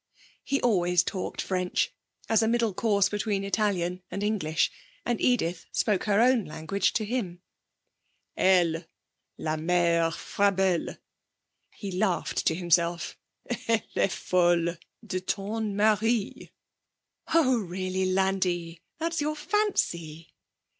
He always talked French, as a middle course between Italian and English, and Edith spoke her own language to him. 'Elle. La Mère Frabelle,' he laughed to himself. 'Elle est folle de ton mari!' 'Oh, really, Landi! That's your fancy!'